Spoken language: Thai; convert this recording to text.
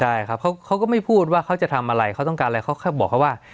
ใช่ครับเขาก็ไม่พูดว่าเขาจะทำอะไรเขาต้องการอะไรเขาบอกเขาว่า